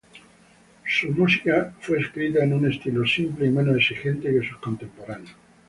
Su música fue escrita en un estilo simple y menos exigente que sus contemporáneos.